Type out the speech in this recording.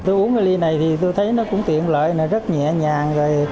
tôi uống ly này thì tôi thấy nó cũng tiện lợi rất nhẹ nhàng